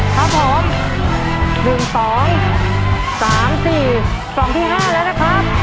ครับผมวงสองสามสี่สองที่ห้าแล้วนะครับ